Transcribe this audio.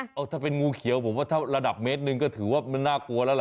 เอาถ้าเป็นงูเขียวผมว่าถ้าระดับเมตรหนึ่งก็ถือว่ามันน่ากลัวแล้วล่ะ